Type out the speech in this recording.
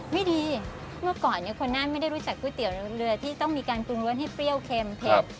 ไม่ดีเมื่อก่อนคนนั้นไม่ได้รู้จักก๋วยเตี๋ยวเรือที่ต้องมีการปรุงรสให้เปรี้ยวเค็มเผ็ด